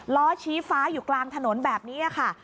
ล้อชี้ฟ้าอยู่กลางถนนแบบนี้ค่ะ